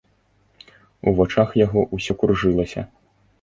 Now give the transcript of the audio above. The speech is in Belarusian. У вачах яго ўсё кружылася.